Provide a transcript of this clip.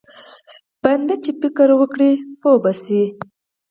بنده چې فکر وکړي پوه به شي.